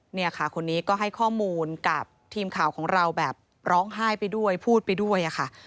เนี่ยค่ะคนนี้ก็ให้ข้อมูลกับทีมข่าวของเราแบบร้องไห้ไปด้วยพูดไปด้วยค่ะ